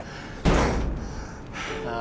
ああ？